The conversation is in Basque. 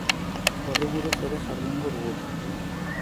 Horri buruz ere jardungo dugu.